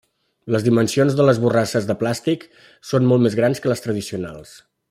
Les dimensions de les borrasses de plàstic són molt més grans que les tradicionals.